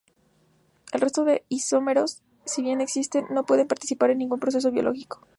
El resto de isómeros, si bien existen, no pueden participar en ningún proceso biológico.